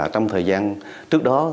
trong thời gian trước đó